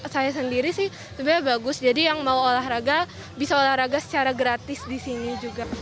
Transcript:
saya sendiri sih sebenarnya bagus jadi yang mau olahraga bisa olahraga secara gratis di sini juga